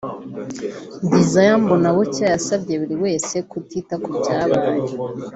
Desire Mbonabucya yasabye buri wese kutita ku byababaye